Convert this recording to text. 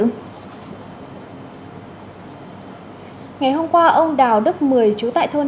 ngày hôm qua ông đào đức mười trú tại thôn